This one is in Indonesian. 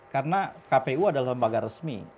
karena kpu adalah lembaga resmi